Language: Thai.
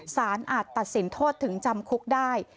อาจตัดสินโทษถึงจำคุกได้